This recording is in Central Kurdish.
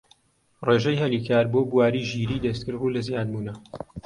ڕێژەی هەلی کار بۆ بواری ژیریی دەستکرد ڕوو لە زیادبوونە